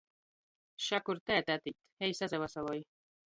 Šakur tēte atīt, ej, sasavasaloj!